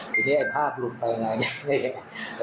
อย่างนี้ภาพหลุดไปยังไง